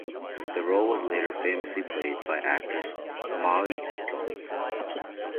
The role was later famously played by actress Molly Picon.